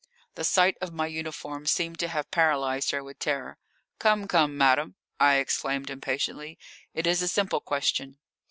The sight of my uniform seemed to have paralysed her with terror. "Come, come, madame," I exclaimed impatiently; "it is a simple question."